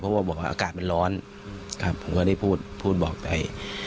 เพราะว่าบอกว่าอากาศมันร้อนครับผมก็ได้พูดพูดบอกไป